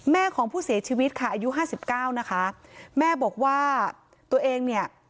ของผู้เสียชีวิตค่ะอายุห้าสิบเก้านะคะแม่บอกว่าตัวเองเนี่ย